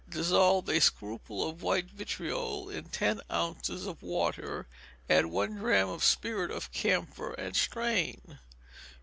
Dissolve a scruple of white vitriol in ten ounces of water; add one drachm of spirit of camphor, and strain.